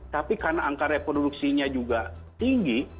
tapi karena angka reproduksinya juga tinggi